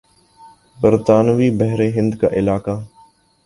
برطانوی بحر ہند کا علاقہ